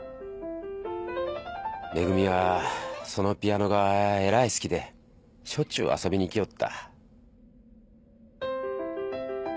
恵はそのピアノがえらい好きでしょっちゅう遊びに行きおった。